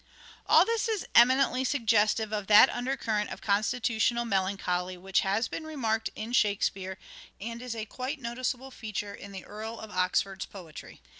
All this is eminently suggestive of that undercurrent of constitutional melancholy which has been remarked in " Shakespeare," and is quite a noticeable feature of the Earl of Oxford's poetry.